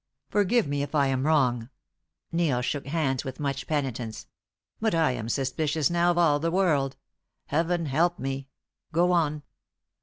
"Forgive me if I am wrong." Neil shook hands with much penitence. "But I am suspicious now of all the world. Heaven help me! Go on."